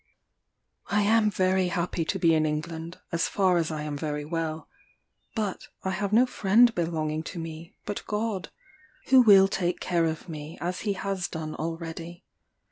"I am very happy to be in England, as far as I am very well; but I have no friend belonging to me, but God, who will take care of me as he has done already.